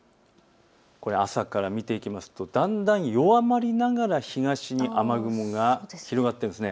朝から見ていくとだんだん弱まりながら東に雨雲が広がっているんです。